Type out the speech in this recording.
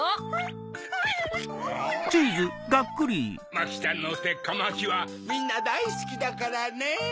マキちゃんのてっかまきはみんなだいスキだからねぇ。